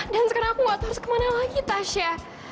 dan sekarang aku gak tau harus kemana lagi tasya